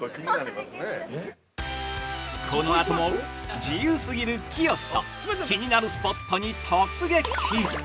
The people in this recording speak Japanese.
◆このあとも、自由すぎる、きよしと、気になるスポットに突撃！